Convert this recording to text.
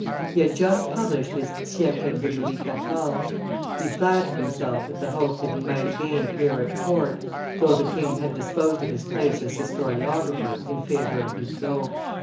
He had just published his Siecle de Louis XIV.; he flattered himself with the hope that he might again appear at court, though the king had disposed of his place as historiographer in favor of Duclos.